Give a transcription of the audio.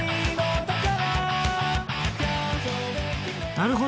なるほど。